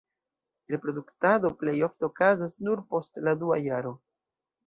Reproduktado plej ofte okazas nur post la dua jaro.